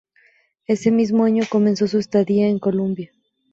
Ese mismo año comenzó su estadía en Colombia.